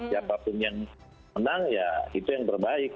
siapapun yang menang ya itu yang terbaik